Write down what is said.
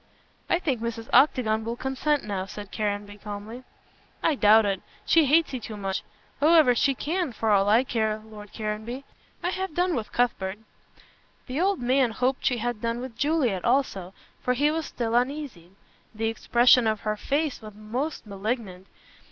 "I think Mrs. Octagon will consent now," said Caranby, calmly. "I doubt it. She hates you too much. However, she can, for all I care, Lord Caranby. I have done with Cuthbert." The old man hoped she had done with Juliet also, for he was still uneasy. The expression of her face was most malignant.